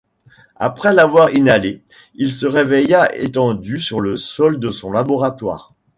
Après l'avoir inhalé, il se réveilla étendu sur le sol de son laboratoire.